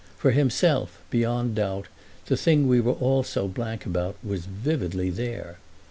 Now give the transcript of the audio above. For himself, beyond doubt, the thing we were all so blank about was vividly there.